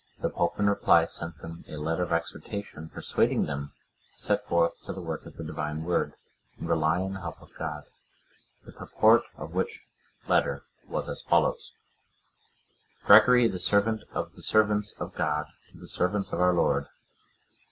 The pope, in reply, sent them a letter of exhortation, persuading them to set forth to the work of the Divine Word, and rely on the help of God. The purport of which letter was as follows: "_Gregory, the servant of the servants of God, to the servants of our Lord.